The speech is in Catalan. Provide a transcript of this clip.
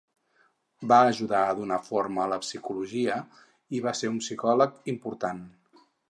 Va ajudar a donar forma a la psicologia i va ser un psicòleg important.